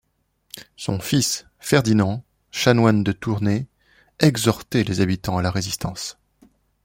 Son fils, Ferdinand, chanoine de Tournai, exhortait les habitants à la résistance.